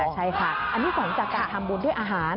ใช่ค่ะอันนี้หลังจากการทำบุญด้วยอาหาร